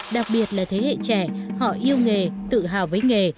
đặc biệt là thế hệ trẻ họ yêu nghề tự hào với nghề